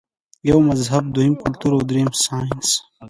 يو مذهب ، دويم کلتور او دريم سائنس -